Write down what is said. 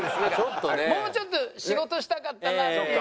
もうちょっと仕事したかったなっていう。